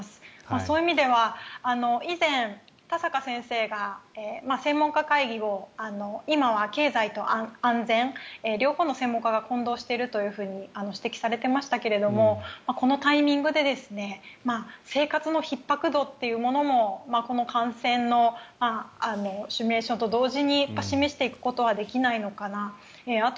そういう意味では以前、田坂先生が専門家会議を今は経済と安全両方の専門家が混同していると指摘されていましたがこのタイミングで生活のひっ迫度っていうものもこの感染のシミュレーションと同時に示していくことはできないのかなと。